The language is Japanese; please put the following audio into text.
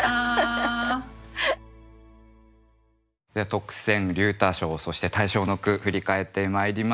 特選龍太賞そして大賞の句振り返ってまいりました。